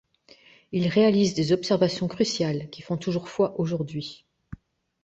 Il réalise des observations cruciales qui font toujours fois aujourd'hui.